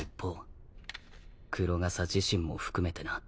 黒笠自身も含めてな。